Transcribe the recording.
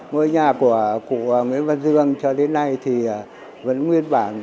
ngôi nhà của cụ nguyễn văn dương cho đến nay thì vẫn nguyên bản